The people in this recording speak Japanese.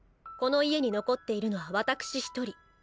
この家に残っているのはわたくし一人。